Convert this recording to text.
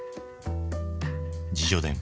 自叙伝